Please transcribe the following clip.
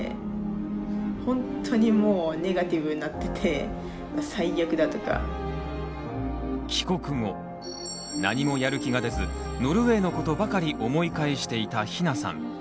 １年滞在する予定が本当にもう帰国後何もやる気が出ずノルウェーのことばかり思い返していたひなさん。